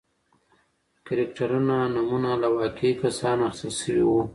کرکټرونو نومونه له واقعي کسانو اخیستل شوي و.